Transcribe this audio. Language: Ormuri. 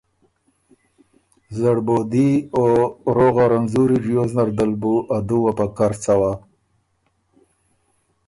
زړبودي او روغه رنځُوری ریوز نر دل بُو ا دُوه په کر څوا۔